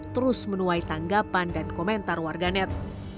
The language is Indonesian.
terus menuai tanggapan dan komentar warganet